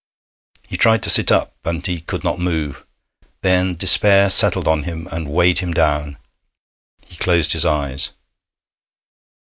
He tried to sit up, and he could not move! Then despair settled on him, and weighed him down. He closed his eyes.